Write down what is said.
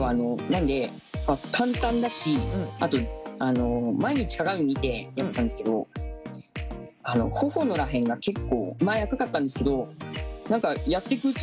なんで簡単だしあと毎日鏡見てやってたんですけど頬のら辺が結構前赤かったんですけどあそう。